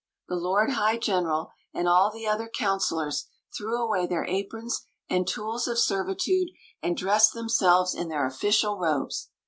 The lord high general and all the other counselors threw away their aprons and tools of servitude and dressed themselves in their official robes.